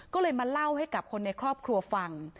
ก็เลยมาเล่าให้กับคนในครอบครัวฟัง